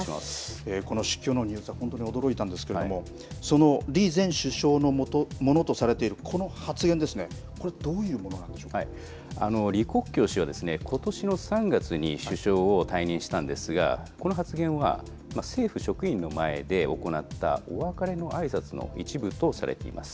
この死去のニュースは本当驚いたんですけれども、その李前首相のものとされている、この発言ですね、これどういうも李克強氏はことしの３月に首相を退任したんですが、この発言は政府職員の前で行った、お別れのあいさつの一部とされています。